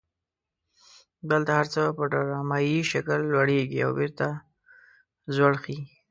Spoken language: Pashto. دلته هر څه په ډرامایي شکل لوړیږي او بیرته ځوړ خي.